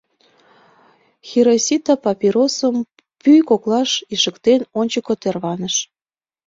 Хиросита, папиросым пӱй коклаш ишыктен, ончыко тарваныш.